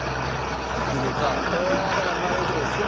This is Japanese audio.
これはだから迷うところですね。